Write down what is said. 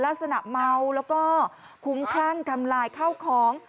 ลักษณะเมาแล้วก็คุ้มคลั่งทำลายข้าวของ